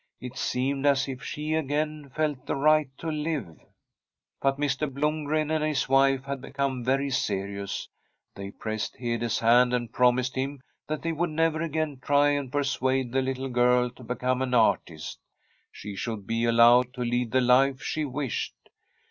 It seemed as if she again felt the right to live. But Mr. Blomgren and his wife had become very serious. They pressed Hede's hand and promised him that they would never again try and persuade the little girl to become an artist. She should be allowed to lead the life she, wished.